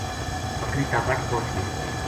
بکری تابٹ پوہچ گئی